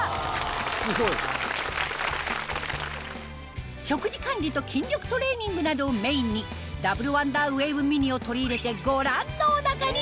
すごい！食事管理と筋力トレーニングなどをメインにダブルワンダーウェーブミニを取り入れてご覧のお腹に！